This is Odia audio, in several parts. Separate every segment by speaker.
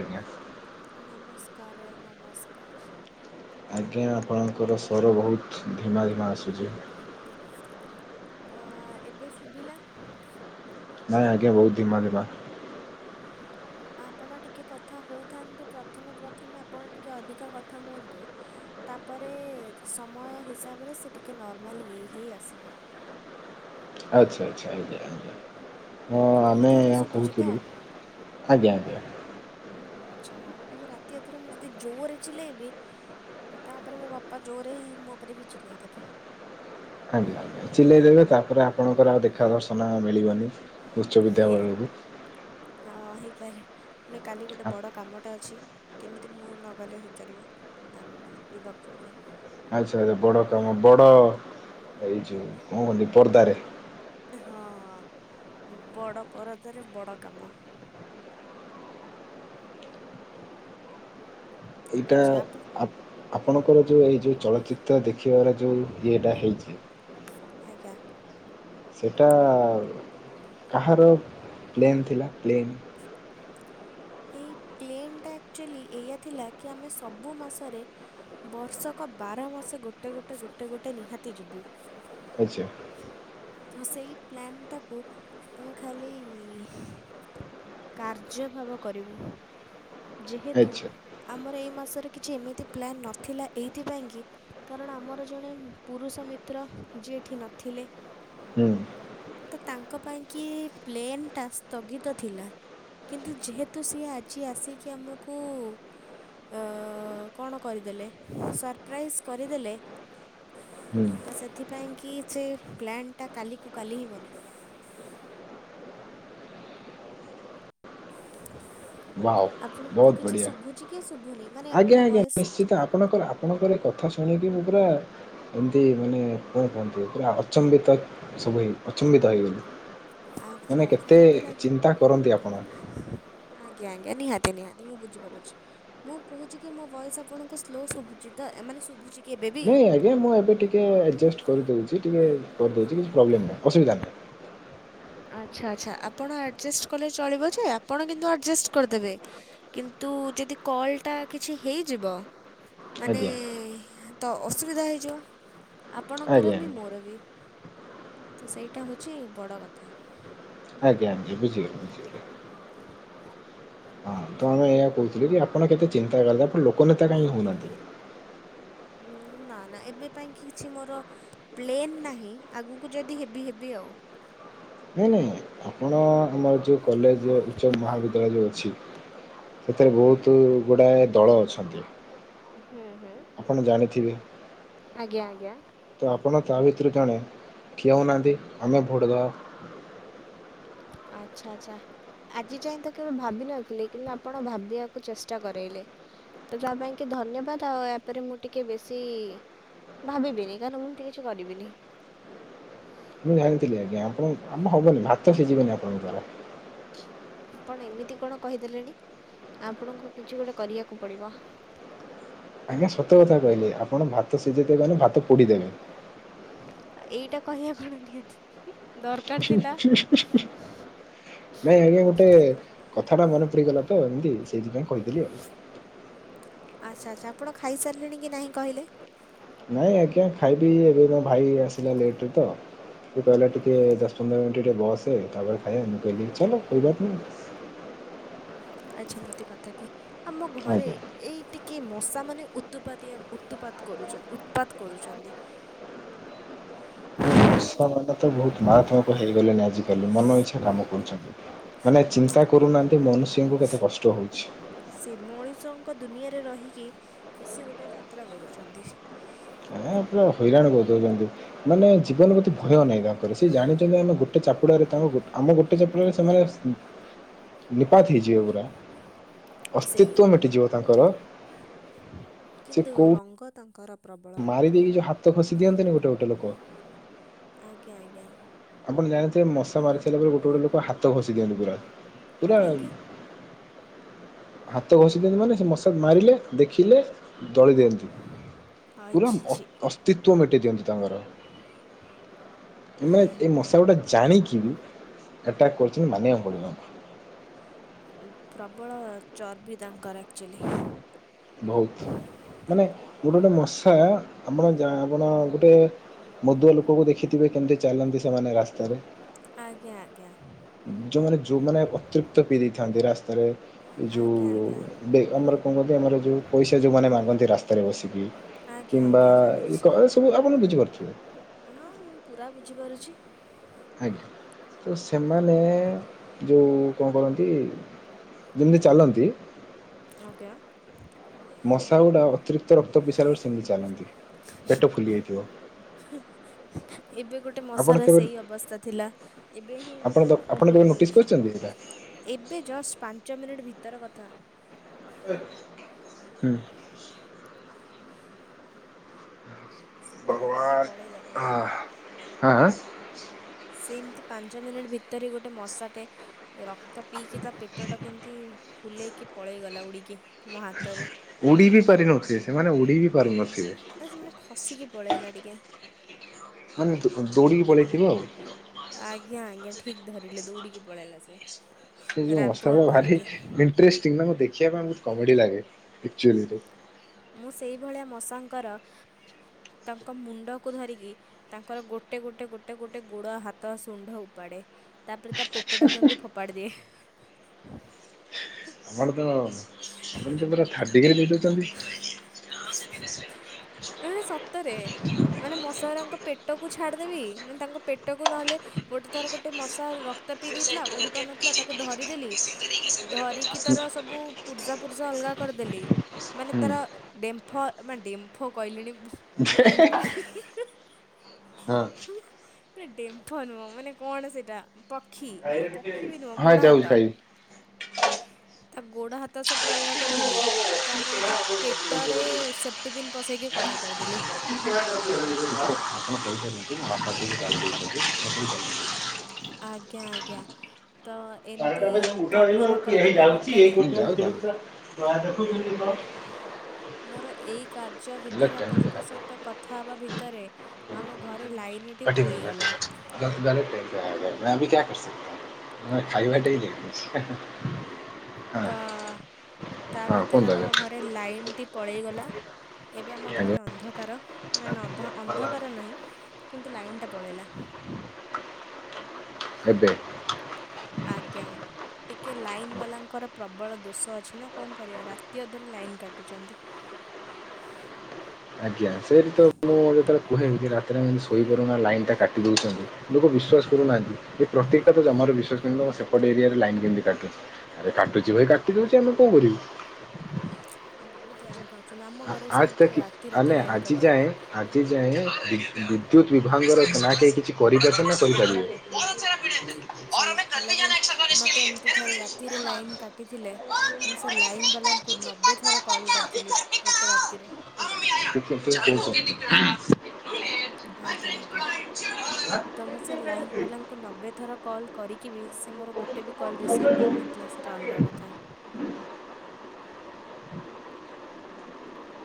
Speaker 1: ଆଜ୍ଞା।
Speaker 2: ନମସ୍କାରେ ନମସ୍କାର୍।
Speaker 1: ଆଜ୍ଞା ଆପଣଙ୍କର ସ୍ୱର ବୋହୁତ୍ ଧିମା ଧିମା ଆସୁଚି।
Speaker 2: ଆ ଏବେ ଶୁଭିଲା?
Speaker 1: ନାଇଁ ଆଜ୍ଞା ବୋହୁତ ଧିମା ଧିମା।
Speaker 2: ଆପଣ ଟିକେ କଥା ହୋଉଥାନ୍ତୁ। ପ୍ରଥମେ ପ୍ରଥମେ ଆପଣ ଟିକେ ଅଧିକା କଥା ହୁଅନ୍ତୁ। ତାପରେ ସମୟ ହିସାବରେ ସେ ଟିକେ ନର୍ମାଲ ହେଇ ହେଇ ଆସିବ।
Speaker 1: ଆଛା ଆଛା ଆଜ୍ଞା ଆଜ୍ଞା। ହଁ
Speaker 2: ଏବେ ବି
Speaker 1: ଆମେ
Speaker 2: ଧୀରେ ଶୁଭୁଛି ତ
Speaker 1: କୋହୁଥିଲୁ ଆଜ୍ଞା ଆଜ୍ଞା।
Speaker 2: ଆଛା ହୋଉ ଏବେ ରାତି ଅଧରେ ମୁଁ ଯଦି ଜୋରେ ଚିଲେଇବି ତାପରେ ମୋ ବାପା ଜୋରେ ମୋ ଉପରେ ଭି ଚିଲେଇ ଦେବେ।
Speaker 1: ଆଜ୍ଞା ଚିଲେଇ ଦେବେ ତାପରେ ଆପଣଙ୍କର ଆଉ ଦେଖା ଦର୍ଶନ ମିଳିବନି। ଉଚ୍ଚ ବିଦ୍ୟାବେଳରୁ।
Speaker 2: ଆଉ ରହିପାରେ ମାନେ କାଲି ଗୋଟେ ବଡ଼ କାମଟେ ଅଛି। କେମିତି ମୁଁ ନଗଲେ ହେଇପାରିବ ନା ନା ଯିବାକୁ ପଡିବ।
Speaker 1: ଆଛା ଆଛା ବଡ଼ କାମ ବଡ଼ ଏଇ ଯୋଉ କଣ କହନ୍ତି ପର୍ଦାରେ।
Speaker 2: ଏଁ ହଁ ହଁ ବଡ଼ ପରଦାରେ ବଡ଼ କାମ।
Speaker 1: ଏଇଟା
Speaker 2: ଆଚ୍ଛା ଆପଣ
Speaker 1: ଆପ୍ ଆପଣଙ୍କର ଯୋଉ ଏଇ ଯୋଉ ଚଳଚ୍ଚିତ୍ର ଦେଖିବାର ଯୋଉ ଇଏଟା ହେଇଚି ହଁ
Speaker 2: ଆଜ୍ଞା।
Speaker 1: ସେଇଟା କାହାର ପ୍ଲେନ୍ ଥିଲା ପ୍ଲେନ୍?
Speaker 2: ଏଇ ପ୍ଲେନ ଟା ଆକ୍ଚୁଏଲି ଏଇଆ ଥିଲା କି ଆମେ ସବୁ ମାସରେ ବର୍ଷକ ଅ ବାର ମାସ ଗୋଟେ ଗୋଟେ ଗୋଟେ ଗୋଟେ ନିହାତି ଯିବୁ।
Speaker 1: ଆଛା।
Speaker 2: ତ ସେଇ ପ୍ଲାନଟାକୁ ଆମେ ଖାଲି କାର୍ଯ୍ୟ ଭାବ କରିବୁ। ଯେହେତୁ
Speaker 1: ଆଚ୍ଛା।
Speaker 2: ଆମର ଏଇ ମାସରେ କିଛି ଏମିତି ପ୍ଲାନ୍ ନଥିଲା। ଏଇଥିପାଇଁକି କାରଣ ଆମର ଜଣେ ପୁରୁଷ ମିତ୍ର ଯିଏ ଏଇଠି ନଥିଲେ।
Speaker 1: ହୁଁ।
Speaker 2: ତ ତାଙ୍କ ପାଇଁ କିି ପ୍ଲେନ୍ ଟାସ୍କ ସ୍ଥଗିତ ଥିଲା। କିନ୍ତୁ ଯେହେତୁ ସିଏ ଆଜି ଆସିକି ଆମକୁ ଅ କଣ କରିଦେଲେ? ସରପ୍ରାଇଜ୍ କରିଦେଲେ।
Speaker 1: ହୁଁ
Speaker 2: ତ ସେଥିପାଇଁ କି ସେ ପ୍ଲାନ୍ ଟା କାଲିକୁ କାଲି ହିଁ ବନିଗଲା।
Speaker 1: ୱାଓ
Speaker 2: ଆପଣଙ୍କୁ
Speaker 1: ବୋହୁତ
Speaker 2: କିଛି
Speaker 1: ବଢିଆ
Speaker 2: ଶୁଭୁଛି କି ଶୁଭୁନି ମାନେ
Speaker 1: ଆଜ୍ଞା
Speaker 2: ମୋ
Speaker 1: ଆଜ୍ଞା
Speaker 2: ଭଏସ୍ ଟି
Speaker 1: ନିଶ୍ଚିତ ଆପଣଙ୍କର ଆପଣଙ୍କର କ କଥା ଶୁଣିକି ମୁଁ ପୁରା ଏମତି ମାନେ କଣ କୁହନ୍ତି ପୁରା ଆଚମ୍ବିତ ସବୁ ହେଇ ଅଚମ୍ବିତ ହେଇଗଲୁ।
Speaker 2: ଆଚ୍ଛା
Speaker 1: ମାନେ
Speaker 2: ଆଚ୍ଛା
Speaker 1: କେତେ
Speaker 2: ମୋତେ ଲାଗି
Speaker 1: ଚିନ୍ତା କରନ୍ତି ଆପଣ
Speaker 2: ଆଜ୍ଞ ଆଜ୍ଞା ନିହାତି ନିହାତି ମୁଁ ବୁଝିପାରୁଚି। ମୁଁ କୋହୁଚି କି ମୋ ଭଏସ୍ ଆପଣଙ୍କୁ ସ୍ଲୋ ଶୁଭୁଚି ତ ଏ ମାମେ ଶୁଭୁଚି
Speaker 1: ନାଇଁ ଆଜ୍ଞା ମୁଁ ଏବେ ଟିକେ ଆଡଜେଷ୍ଟ କରିଦୋଉଚି। ଟିକେ କରିଦୋଉଚି କିଛି ପ୍ରୋବ୍ଲେମ୍ ନାହିଁ ଅସୁବିଧା ନାହିଁ।
Speaker 2: ଆଛା ଆଛା ଆପଣ ଆଡଜେଷ୍ଟ କଲେ ଚଳିବ ଯେ ଆପଣ କିନ୍ତୁ ଆଡଜେଷ୍ଟ କରିଦେବେ କିନ ତୁ ଯଦି କଲ୍ ଟା କିଛି ହେଇଯିବ ମାନେ
Speaker 1: ଆଜ୍ଞା
Speaker 2: ତ ଅସୁବିଧା ହେଇଯିବ।
Speaker 1: ଆଜ୍ଞା
Speaker 2: ଆପଣଙ୍କର
Speaker 1: ଆଜ୍ଞା
Speaker 2: ବି ମୋର ବି। ତ ସେଇଟା ହୋଉଚି ବଡ଼ କଥା।
Speaker 1: ଆଜ୍ଞା ଆଜ୍ଞା ବୁଝିଗଲି ବୁଝିଗଲି। ହଁ ତ ଆମେ ଏଇଆ କହୁଥିଲୁ ଯେ ଆପଣ କେତେ ଚିନ୍ତା କଲେ ଆପଣ ଲୋକ ନେତା କାହିଁ ହଉନାହାନ୍ତି।
Speaker 2: ଉଁ, ନା ନା ଏବେ ପାଇଁ କି କିଛି ମୋର ପ୍ଲେନ ନାହିଁ ଆଗକୁ ଯଦି ହେବି ହେବି ଆଉ।
Speaker 1: ହଁ ନାଇଁ ନାଇଁ ଆପଣ ଆମର ଯୋଉ କଲେଜ ଉଚ୍ଚ ମହାବିଦ୍ୟାଳୟ ଯୋଉ ଅଛି। ସେଥିରେ
Speaker 2: ଆଜ୍ଞା
Speaker 1: ବହୁତ ଗୁଡାଏ ଦଳ ଅଛନ୍ତି।
Speaker 2: ହୁଁ ହୁଁ।
Speaker 1: ଆପଣ ଜାଣିଥିବେ।
Speaker 2: ଆଜ୍ଞା ଆଜ୍ଞା।
Speaker 1: ତ ଆପଣ ତା ଭିତରୁ ଜଣେ ଠିଆ ହଉନାହାନ୍ତି ଆମେ ଭୋଟ ଦବା।
Speaker 2: ଆଚ୍ଛା ଆଚ୍ଛା। ଆଜି ଯାଇ ତ କେବେ ଭାବିିନଥିଲି କିନ୍ତୁ ଆପଣ ଭାବିବାକୁ ଚେଷ୍ଟା କରେଇଲେ। ତ ଜାହା ପାଇଁ କି ଧନ୍ୟବାଦ ଆଉ ଆପରେ ମୁଁ ଟିକେ ବେଶୀ ଭାବିବିନି କାରଣ ମୁଁ ଏମତି କିଛି କରିବିନି।
Speaker 1: ମୁଁ ଜାଣିଥିଲି ଆଜ୍ଞା ଆପଣ କାମ ହବନି ଭାତ ସିଝିବନି ଆପଣଙ୍କର ଦ୍ୟାରା।
Speaker 2: ହ [inaudible] ଆପଣ ଏମିତି କଣ କହିଦେଲେଣି ଆପଣଙ୍କୁ କିଛି ଗୋଟେ କରିବାକୁ ପଡିବ।
Speaker 1: ଆଜ୍ଞା ସତ କଥା କହିଲି ଆପଣ ଭାତ ସିଝେଇଦେବେ ମାନେ ଭାତ ପୋଡିଦେବେ।
Speaker 2: ଏଇଟା କହିବା କଣ ନିହାତି ଦରକାର
Speaker 1: ହିଁ
Speaker 2: ଥିଲା।
Speaker 1: ହିଁ ହ୍ନ ହିଁ ନାଇଁ ଏବେ ଗୋଟେ କ ଛାଡ ମନେ ପଡିଗଲା ତ ଏମତି ସେଇଥିପାଇଁ କହିଦେଲି ଆଉ।
Speaker 2: ଆଚ୍ଛା ଆଚ୍ଛା ଆପଣ ଖାଇସାରିଲେଣି କି ନାହିଁ କହିଲେ?
Speaker 1: ନାଇଁ ଆଜ୍ଞା ଖାଇବି ଏବେ ମୋ ଭାଇ ଆସିଲା ଲେଟରେ ତ। ସେ କହିଲା ଟିକେ ଦଶ ପନ୍ଦରନଟ ଟିକେ ବସେ ତାପରେ ଖାଇଵା ମୁଁ କହଲି ଚାଲ କୋଇ ବାତ ନେହିଁ।
Speaker 2: ଆଛା ମିତି କଥା କି ଆମ ଘରେ
Speaker 1: ଆଜ୍ଞା
Speaker 2: ଏଇଟି କି ମଶାମାନେ ଉତ୍ତୁପାତିଆ ଉତ୍ତୁପାତ କରୁଚ ଉତ୍ପାତ କରୁଛନ୍ତି।
Speaker 1: ଏ ମଷା ମାନେ ତ ବହୁତ ମାରାତ୍ମକ ହେଇଗଲେଣିି ଆଜିକାଲି ମନ ଇଛା କାମ କରୁଛନ୍ତି। ମାନେ ଚିନ୍ତା କରୁନାହାନ୍ତି ମନୁଷ୍ୟଙ୍କୁ କେତେ କଷ୍ଟ ହଉଛି।
Speaker 2: ସେ ମଣିଷଙ୍କ ଦୁନିଆରେ ରହିକି ବେଶୀ ଗୋଟେ ଯାତ୍ରା କରୁଛନ୍ତି।
Speaker 1: ହ [inaudible] ହଁ ପୁରା ହଇରାଣ କରିଦଉଛନ୍ତି ମାନେ ଜୀବନ ପ୍ରତି ଭୟ ନାହିଁ ତାଙ୍କର ସେ ଜାଣିଛନ୍ତି ଆମେ ଗୋଟେ ଚାପୁଡ଼ାରେ ତାଙ୍କ ଗୋ ଆମ ଗୋଟେ ଚପୁଡାରେ ସେମାନେ ନିପାତ ହେଇଯିବେ ପୁରା।
Speaker 2: ସେଇ
Speaker 1: ଅସ୍ତିତ୍ୱ ମେଟିଯିବ ତାଙ୍କର।
Speaker 2: କିନ୍ତୁ ରଙ୍ଗ ତାଙ୍କର। ପ୍ରବଳ
Speaker 1: ମାରିଦେଇକି ଯୋଉ ହାତ ଘସି ଦିଅନ୍ତିନି ଗୋଟେ ଗୋଟେ ଲୋକ।
Speaker 2: ଆଜ୍ଞା ଆଜ୍ଞା।
Speaker 1: ଆପଣ ଜାଣିଥିବେ ମଶା ମାରିସାରିଲା ପରେ ଗୋଟେ ଗୋଟେ ଲୋକ ହାତ ଘଷି ଦିଅନ୍ତି ପୁରା ପୁରା
Speaker 2: କାହିଁକି?
Speaker 1: ହାତ ଘଷିଦିଅନ୍ତି ମାନେ ସେ ମଶା ମାରିଲେ ଦେଖିଲେ ଦଳି ଦିଅନ୍ତି
Speaker 2: ଆ
Speaker 1: ପୁରାମ
Speaker 2: ଛି ଛି
Speaker 1: ଅଅସ୍ତି ତ୍ଵ ମେଟେଇ ଦିଅନ୍ତି ତାଙ୍କର ଏମାନେ ଏଇ ମଶା ଗୋଟେ ଜାଣିକିବି ଆଟାକ୍ କରୁଛି ମାନିବାକୁ ପଡିଵ ଏଙ୍କୁ।
Speaker 2: ପ୍ରବଳ ଚର୍ବି ତାଙ୍କର ଆକ୍ଚୁଆଲି।
Speaker 1: ବହୁତ ମାନେ ଗୋଟେ ଗୋଟେ ମଶା ଆମର ଯା ଆପଣ ଗୋଟେ ମଦୁଆ ଲୋକୁ ଦେଖିଥିବେ କେମିତି ଚାଲନ୍ତି ସେମାନେ ରାସ୍ତାରେ।
Speaker 2: ଆଜ୍ଞା ଆଜ୍ଞା।
Speaker 1: ଯୋଉମାନେ ଯୋଉମାନେ ଅତରିକ୍ତ ପିଇ ଦେଇଥାନ୍ତି ରାସ୍ତାରେ ଏ
Speaker 2: ଆଜ୍ଞା
Speaker 1: ଯୋଉ
Speaker 2: ଆଜ୍ଞା
Speaker 1: ଆମର କଣ କନ୍ତି ଆମର ଯୋଉ ପଇସା ଯୋଉମାନେ ମାଗନ୍ତି ରାସ୍ତାରେ ବସିକି।
Speaker 2: ଆଜ୍ଞା
Speaker 1: କିମ୍ବା
Speaker 2: ଆଜ୍ଞା ଜାଣିଛି।
Speaker 1: ଏକ ଏସବୁ ଆପଣ ବୁଝି ପାର
Speaker 2: ହଁ ଅ ମୁଁ ପୁରା ବୁଝିପାରୁଛି।
Speaker 1: ଆଜ୍ଞା, ତ ସେମାନେ ଯେଉ କଣ କରନ୍ତି? ଯେମିତି ଚାଲନ୍ତି।
Speaker 2: ଆଗ୍ୟା,
Speaker 1: ମଶା ଗୁଡ଼ା ଅତିରିକ୍ତ ରକ୍ତ ପିଇସାରଲେ ସିମିତି ଚାଲନ୍ତି। ପେଟ ଫୁଲି ଆଇଥିବ।
Speaker 2: ଏବେ ଗୋଟେ ମଶାର ସେଇ ଅବସ୍ଥା ଥିଲା। ଏବେ ହିଁ
Speaker 1: ଆପଣ
Speaker 2: ଗୋଟେ ରକ୍ତ
Speaker 1: ଆପଣ କେବେ
Speaker 2: ପିଇକି
Speaker 1: ନୋଟିସ୍
Speaker 2: ଯାଇଛି।
Speaker 1: କରିଛନ୍ତି ଏଇଟା?
Speaker 2: ଏବେ ଜଷ୍ଟ ପାଞ୍ଚ ମିନିଟ୍ ଭିତର କଥା।
Speaker 1: ହୁଁ।
Speaker 2: ସେ ଖାଇକି
Speaker 1: ଭଗବାନ
Speaker 2: ପଳେଇଗଲା।
Speaker 1: ଆଃ! ଆଁ ଆଁ।
Speaker 2: ସେଏମତି ପାଞ୍ଚମିନିଟ୍ ଭିତ୍ ତରେ ଗୋଟେ ମଶାଟେ ରକ୍ତ ପିଇକି ତା ପେଟଟାକୁ ଏମିତି ଫୁଲେଇ କି ପଳେଇଗଲା ଉଡ଼ିକି। ମୋ ହାତରୁ।
Speaker 1: ଉଡ଼ିବି ପାରିନଥିବେ। ସେମାନେ ଉଡ଼ିବି ପାରୁନଥ
Speaker 2: ଏ ସେମାନେ ଖସିକି ପଳେଇଲା ଟିକେ।
Speaker 1: ମାନେ ଦୋ-ଦୌଡ଼ିିକି ପଳେଇଥିବ ଆଉ।
Speaker 2: ଆଜ୍ଞା ଆଜ୍ଞା, ଠିକ୍ ଧରିଲେ, ଦୌଡିକି ପଳେଇଲା ସେ।
Speaker 1: ସେଇ ଯଉ
Speaker 2: ରାମ୍ପ
Speaker 1: ମଶାଟା
Speaker 2: ୱାକ୍
Speaker 1: ଭାରି
Speaker 2: କରିକି।
Speaker 1: ଇଣ୍ଟେରିଷ୍ଟିଙ୍ଗ୍ ନା ଦେଖିବା ପାଇଁ ବହୁତ କମେଡି ଲାଗେ। ଏକ୍ଚୁଆଲିରେ।
Speaker 2: ମୁଁ ସେଇଭଳିଆ ମଶାଙ୍କର ତାଙ୍କ ମୁଣ୍ଡକୁ ଧରିକି, ତାଙ୍କର ଗୋଟେ ଗୋଟେ ଗୋଟେ ଗୋଟେ ଗୋଡ ହାତ ଶୁଣ୍ଢ ଉପାଡ଼େ। ତା'ପରେ ତା ପେଟଟା କୁ ଏମିତି ଫୋପାଡି ଦିଏ।
Speaker 1: ଆପଣ ତ ଆପଣ ତ ପୁରା ଥାର୍ଡ଼ଡିଗ୍ରୀ ଦେଇ ଦଉଛନ୍ତି।
Speaker 2: ସତରେ, ମାନେ ମଶା ଗୁରାଙ୍କ ପେଟକୁ ଛାଡ଼ିଦେବି। ମାନେ ତାଙ୍କ ପେଟକୁ ନହଲେ ଗୋଟେ ଥର ମଶାର ରକ୍ କ୍ତ ପିଇ ଦେଇଥିଲା। ଉଡି ପାରୁନଥିଲା ତାକୁ ଧରିଦେଲି ଧରିକି ତାର ସବୁ ପୂର୍ଜାପୁର୍ଜା ଅଲଗା କରିଦେଲି। ମାନେ
Speaker 1: ହୁଁ।
Speaker 2: ତାର ଡେମ୍ ମ୍ଫ ମାନେ ଡେମ୍ଫ କହିଲିଣି
Speaker 1: ଯେ ହେ ହେ ହେ
Speaker 2: ମାନେ
Speaker 1: ହଁ,
Speaker 2: ନା ଡେମ୍ଫ ନୁହଁ। ମାନେ କଣ ସେଟା? ପକ୍ଷୀ! ମାନେ ପକ୍ଷୀ ବି ନୁହଁ,
Speaker 1: ହଁ
Speaker 2: ଗୋଡ
Speaker 1: ଯାଉଛି
Speaker 2: ହାତ। ତା ଗୋଡହାତ ସବୁ ଅଲଗା କରିଦେଲି। ତାପରେ ତା
Speaker 1: [inaudible]
Speaker 2: ପେଟରେ
Speaker 1: ଆପଣ
Speaker 2: ସେଫ୍ଟିପିନ୍ ପସେଇକି
Speaker 1: କହିପାରନ୍ତି,
Speaker 2: କଣା କରିଦେଲି।
Speaker 1: ମୋ ବାପା ଟିକେ ଗାଳି ଦଉଛନ୍ତି [inaudible]
Speaker 2: ଆଜ୍ଞା ଆଜ୍ଞା। ତ ଏମିତି
Speaker 1: [inaudible]
Speaker 2: କାର୍ଯ୍ୟ କରିବା
Speaker 1: ହଁ
Speaker 2: ଭିତରେ
Speaker 1: ଯାଉଚି ବା। [inaudible]
Speaker 2: ମୋର ଏଇ କାର୍ଯ୍ୟ ଭିତରେ, ଆପଣଙ୍କ ସହିତ କଥା ହେବା ଭିତରେ, ଆମ ଘରେ ଲାଇନଟି ପଳେଇଗଲା।
Speaker 1: ଯାଉଚି ଗାଡି [unintelligible] ଖାଇବା ଟିକେ ଡେରି ଅଛି।
Speaker 2: ତ, ତା ଭିତରେ ଆମ ଘରେ ଲାଇନଟି ପଳେଇଗଲା। ଏବେ ଆମ ଘରେ ଅନ୍ଧକାର ନା ନ ଅନ୍ଧ ଅନ୍ଧକାର ନାହିଁ କିନ୍ତୁ ଲାଇନଟି ପଳେଇଲା।
Speaker 1: ଏବେ
Speaker 2: ଆଜ୍ଞା, ଟିକେ ଲାଇନ ବାଲାଙ୍କର ପ୍ରବଳ ଦୋଷ ଅଛି ନା କଣ କରିଆ? ରାତି ଅଧରେ ଲାଇନ କାଟୁଛନ୍ତି।
Speaker 1: ଆଜ୍ଞା, ସେଇଠି ତ ମୁଁ ଯେତେବେଳେ କୁହେ, ଏମତି ରାତିରେ ଶୋଇପାରୁନା ଲାଇନା ଟା କାଟିଦେଉଛନ୍ତି। ଲୋକ ବିଶ୍ୱାସ କରୁନାହାନ୍ତି। ଏ ପ୍ରତିକ୍ ଟା ତ ଜମାରୁ ବିଶ୍ୱାସ କରୁନି। ତମ ସେପଟେ ଏରିଆରେ ଲାଇନ୍ କେମିତି କାଟୁଛି। ଆରେ କାଟୁଛି ଭାଇ କାଟି ଦଉଛି। ଆମେ କଣ କରିବୁ?
Speaker 2: ବହୁତ ଲାଇନ କଟ୍।
Speaker 1: ଆଜ ତକ୍ କି ଆମେ ଆଜି
Speaker 2: କଟେ।
Speaker 1: ଯାଏ, ଆଜି ଯାଏ ବିଦ୍ୟୁତ ବିଭାଗର ନା କେହି କିଛି କରିପାରିଛନ୍ତି ନା କରିପାରିବେ?
Speaker 2: ସେଇ ହାଲାକି ମୋତେ ଏମିତି ଥରେ ରାତିରେ
Speaker 1: [unintelligible]
Speaker 2: ଲାଇନବାଲାଙ୍କୁ ନବେ ଥର କଲ୍ କରିଥିଲି। ଗୋଟେ ରାତିରେ।
Speaker 1: [unintelligible]
Speaker 2: ଆଜ୍ଞା ଆଜ୍ଞା ତ ମୁଁ ସେ ଲାଇନବାଲାଙ୍କୁ ନବେ ଥର କଲ କରିକି ବି ସେ ମୋର ଗୋଟେ ବି କଲ୍ ରିସିଭ୍ କରିନଥିଲା ସେଇଟା ଅଲଗା କଥା।
Speaker 1: [inaudible]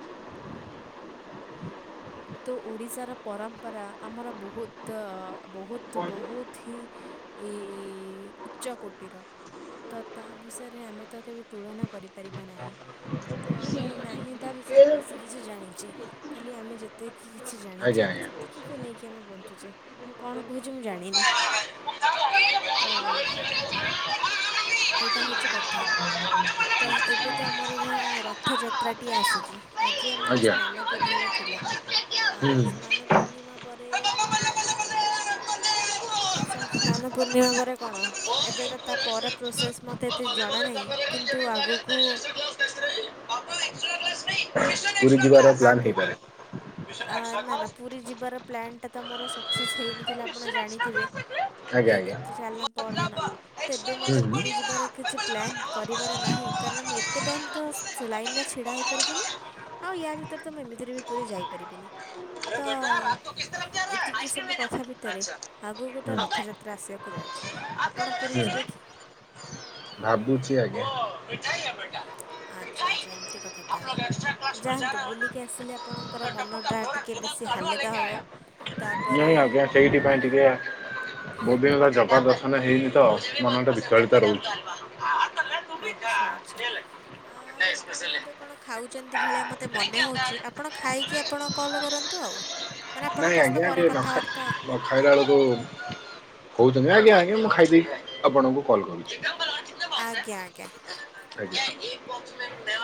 Speaker 2: [inaudible]
Speaker 1: [inaudible]
Speaker 2: ତ ଓଡ଼ିଶାର ପରମ୍ପରା ଆମର ବହୁତ ଅ ବହୁତ ବହୁତ ହିଁ ଏଇ ଉଚ୍ଚକୋଟିର। ତ ତା ବିଷୟରେ ଆମେ ତ କେବେ ତୁଳନା କରିପାରିବା ନାହିଁ। ତ ଆମେ ନାହିଁ ତା ବିଷୟରେ ବେଶୀ କିଛି ଜାଣିଛେ। ଖାଲି ଆମେ ଯେତିକି କିଛି ଜାଣିଛେ
Speaker 1: ଆଜ୍ଞା ଆଜ୍ଞା
Speaker 2: ସେତିକିକୁ ନେଇକି ଆମେ ବଞ୍ଚୁଛେ। ମୁଁ କଣ କହୁଛି ମୁଁ ଜାଣିନି। ତ ଏଇଟା ହଉଛି କଥା। ତ ଏବେ ତ ଆମର ଧର ରଥଯାତ୍ରାଟି ଆସୁଛି। ଆଜି ଆମର
Speaker 1: ଆଜ୍ଞା।
Speaker 2: ସ୍ନାନ ପୂର୍ଣ୍ଣିମା ଥିଲା। ଆ
Speaker 1: ହୁଁ
Speaker 2: ସ୍ନାନ ପୂର୍ଣ୍ଣିମା ପରେ
Speaker 1: [inaudible]
Speaker 2: ସ୍ନାନ ପୂର୍ଣ୍ଣିମା ପରେ କଣ? ଏବେ ତ ତା ପର ପ୍ରୋସେସ ମତେ ଏତେ ଜଣା ନାହିଁ କି କିନ୍ତୁ ଆଗକୁ
Speaker 1: [unintelligible] ପୁରୀ ପୁରୀ ଯିବାର ପ୍ଲାନ୍
Speaker 2: ଆଗକୁ
Speaker 1: ହେଇପାରେ।
Speaker 2: ଆ
Speaker 1: ଏକ୍ସଟ୍ରା
Speaker 2: ନା ନା ପୁରୀ ଯିବାର ପ୍ଲାନ୍ ଟା ତ ମୋର ସକ୍ସେସ୍ ହେଇନଥିଲା ଆପଣ ଜାଣିଥିବେ।
Speaker 1: କ୍ଲାସ୍ ଏଥିରେ? ଆଜ୍ଞା
Speaker 2: ଏକ୍
Speaker 1: ଆଜ୍ଞା। ହୁଁ।
Speaker 2: ତ ଚାଲିଲା ପରଦିନ। ତେବେ ମୋତେ ପୁରୀ ଯିବାର କିଛି ପ୍ଲାନ୍ କରିବାର ନାହିଁ କାରଣ ମୁଁ ଏ ଏତେ ଟାଇମ ତ ସ୍ ଲାଇନରେ ଛିଡ଼ା ହେଇପାରିବିନି ଆଉ ୟା ଭି ତ ମୁଁ ଏମିତିରେ ବି ପୁରୀ ଯାଇପାରିବିନି।
Speaker 1: ଆରେ
Speaker 2: ତ
Speaker 1: ବେଟା ଆପ ତ କିସ ତରଫ
Speaker 2: ଏତିକି ସବୁ କଥା ଭିତରେ ଆଗକୁ ତ ରଥଯାତ୍ରା ଆସିବାକୁ ଯାଉଛି। ଆପଣ ପୁରୀ ଯିବେ କି
Speaker 1: ହୁଁ ଭାବୁଛି ଆଜ୍ଞା।
Speaker 2: ଆଚ୍ଛା ଆଚ୍ଛା ଏମିତି କଥା ତାହେଲେ ଯାଆନ୍ତୁ ବୁଲିକି ଆସିଲେ ଆପଣଙ୍କର ମନଟା ଟିକେ ବେଶୀ ହାଲକା ହେବ
Speaker 1: ନ
Speaker 2: ତାପରେ
Speaker 1: ଆଜ୍ଞା ସେଇଥି ପାଇଁ ଟିକେ ବହୁତ ଦିନ ହେଲା ଜଗାଦର୍ଶନ ମାନେ ହେଇନି ତ ମନଟା ବିଫଳିତ ରହୁଛି।
Speaker 2: ଆଚ୍ଛା ଆଚ୍ଛା। ଆଉ ଆପଣ ଏବେ କଣ ଖାଉଛନ୍ତି ଭଳିଆ ମତେ ମନେ ହଉଛି ଆପଣ ଖାଇକି ଆପଣ କଲ୍ କର କରନ୍ତୁ ଆଉ। ମାନେ
Speaker 1: ନାଇଁ
Speaker 2: ଆପଣଙ୍କ ସହିତ
Speaker 1: ଆଜ୍ଞା
Speaker 2: ପରେ
Speaker 1: ଟିକେ ନ
Speaker 2: କଥାବାର୍ତ୍ତା
Speaker 1: ଖାଇ ଖାଇଲା ବେଳକୁ କଉଛନ୍ତି ଆଜ୍ଞା। ଆଜ୍ଞା ମୁଁ ଖାଇଦେଇି ଆପଣଙ୍କୁ କଲ୍ କରୁଛି।
Speaker 2: ଆଜ୍ଞା ଆଜ୍ଞା।
Speaker 1: ଆଜ୍ଞା ଏକ ବକ୍ସ ମେ ହୁ